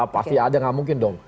pasti ada nggak mungkin dong